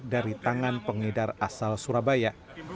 dari tangan pengedar asal surabaya